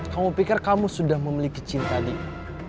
kamu pikir kamu sudah memiliki cinta dingin